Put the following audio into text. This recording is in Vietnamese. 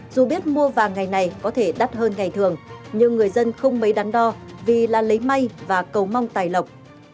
dù biết mua vàng ngày này có thể đắt hơn ngày thường nhưng người dân không mấy đắn đo vì là lấy may và cầu mong tài lộc